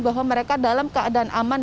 bahwa mereka dalam keadaan aman